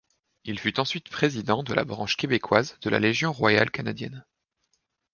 Il fut ensuite président de la branche québécoise de la Légion royale canadienne.